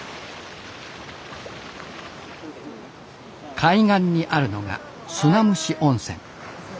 海岸にあるのが砂むし温泉。